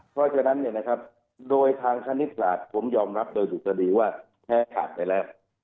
เพราะฉะนั้นโดยทางคณิตศาสตร์ผมยอมรับโดยสุจรดีว่าแพ้ขาดไปแล้ว